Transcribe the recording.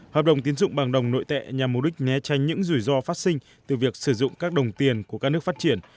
hành tín dụng bằng đồng nội tệ nhằm mục đích nhé tranh những rủi ro phát sinh từ việc sử dụng các đồng tiền của các nước phát triển